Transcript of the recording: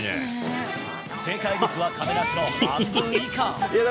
正解率は亀梨の半分以下。